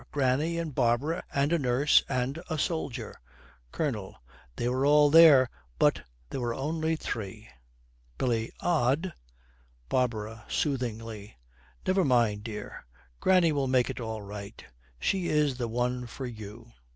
Granny and Barbara and a nurse and a soldier.' COLONEL. 'They were all there; but there were only three.' BILLY. 'Odd.' BARBARA, soothingly, 'Never mind, dear, Granny will make it all right. She is the one for you.'